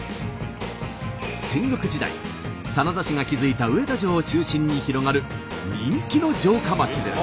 戦国時代真田氏が築いた上田城を中心に広がる人気の城下町です。